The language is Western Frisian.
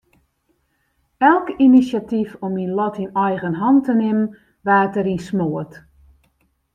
Elk inisjatyf om myn lot yn eigen hannen te nimmen waard deryn smoard.